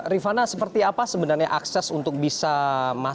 rifana seperti apa sebenarnya akses untuk bisa masuk